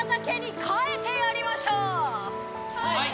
はい！